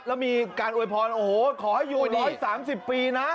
แล้วมีการอวยพรโอ้โหขอให้อยู่๑๓๐ปีนะ